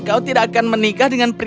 orang di kerajaan mereka sangat pride